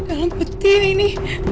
di dalam peti ini